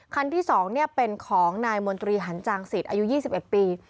คันที่๒เป็นของนายมนตรีหันจางศิษย์อายุ๒๑ปี